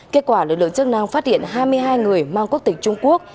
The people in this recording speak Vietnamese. kết quả lực lượng chức năng phát hiện hai mươi hai người mang quốc tịch trung quốc